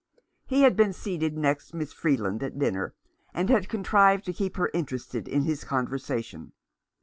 He had been seated next Miss Freeland at dinner, and had contrived to keep her interested in his conversation.